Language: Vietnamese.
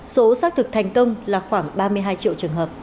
số xác thực thành công là khoảng ba mươi hai triệu trường hợp